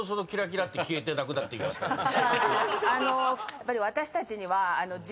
やっぱり私たちには。